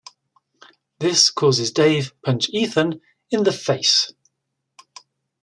This causes Dave punch Ethan in the face.